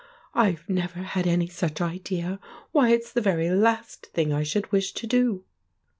I'd never had any such idea! Why, it's the very last thing I should wish to do!